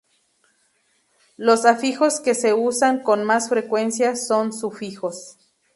Los afijos que se usan con más frecuencia son sufijos.